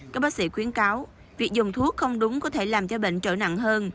các bác sĩ khuyến cáo việc dùng thuốc không đúng có thể làm cho bệnh trở nặng hơn